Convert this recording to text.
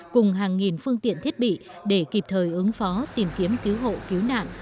cùng hàng nghìn phương tiện thiết bị để kịp thời ứng phó tìm kiếm cứu hộ cứu nạn